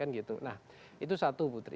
nah itu satu putri